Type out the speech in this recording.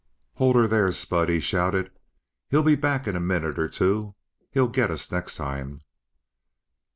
"Hold her there, Spud!" he shouted. "He'll be back in a minute or two! He'll get us next time!"